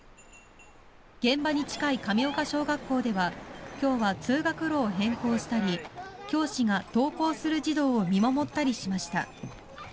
現場に近い神岡小学校では今日は通学路を変更したり教師が登校する児童を見守ったりしました。